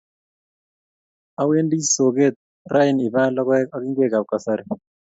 Awendi soget raini ipaal logoek ak ingwek ap kasari